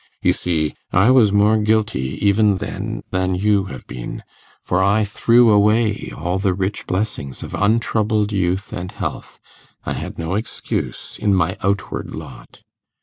You see, I was more guilty even then than you have been, for I threw away all the rich blessings of untroubled youth and health; I had no excuse in my outward lot.